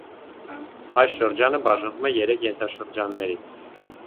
Այս շրջանը բաժանվում է երեք ենթաշրջանների։